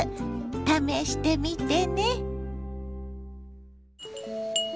試してみてね。